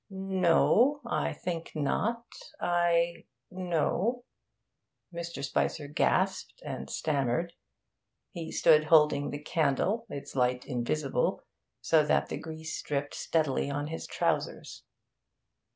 'No I think not I no ' Mr. Spicer gasped and stammered. He stood holding the candle (its light invisible) so that the grease dripped steadily on his trousers.